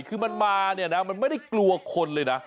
คือมันมาเนี่ยนะมันไม่ได้กลัวคนเลยนะ